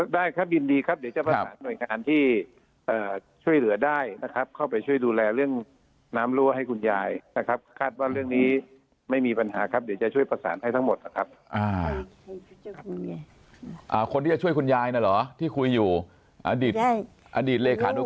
ได้ครับยินดีครับเดี๋ยวจะประสานหน่วยงานที่ช่วยเหลือได้นะครับ